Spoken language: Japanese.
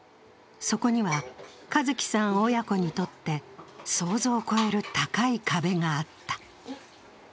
そこには和毅さん親子にとって想像を超える高い壁があった。